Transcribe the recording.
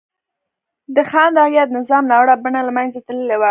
د خان رعیت نظام ناوړه بڼه له منځه تللې وه.